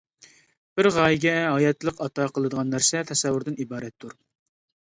بىر غايىگە ھاياتلىق ئاتا قىلىدىغان نەرسە تەسەۋۋۇردىن ئىبارەتتۇر.